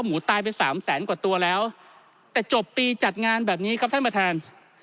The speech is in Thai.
หมูตายไปสามแสนกว่าตัวแล้วแต่จบปีจัดงานแบบนี้ครับท่านประธาน